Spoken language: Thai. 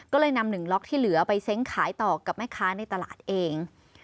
ก็เลยนำ๑ล็อกที่เหลือไปเซ้งขายต่อกับแม่ค้าในตลาดเอง